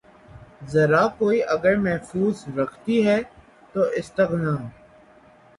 زرہ کوئی اگر محفوظ رکھتی ہے تو استغنا